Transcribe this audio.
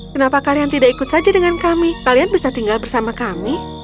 kenapa kalian tidak ikut saja dengan kami kalian bisa tinggal bersama kami